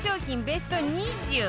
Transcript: ベスト２０